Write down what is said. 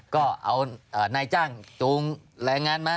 ก็เอานายจ้างจูงแรงงานมา